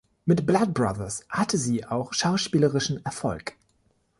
Mit "Blood Brothers" hatte sie auch schauspielerischen Erfolg.